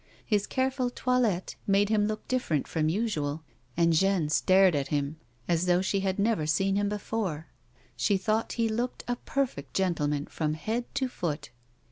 His careful toilette made him look different from usual, and Jeanne stared at him as though she had never seen him before ; she thought he looked a perfect gentleman from head to foot.